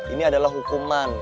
ini adalah hukuman